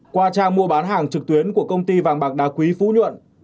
qua trang mua bán hàng trực tuyến của công ty vàng bạc đá quý phú nhuận